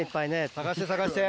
探して探して。